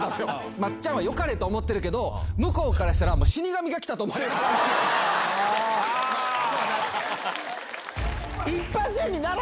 まっちゃんはよかれと思ってるけど、向こうからしたら死神が来たと思われるから。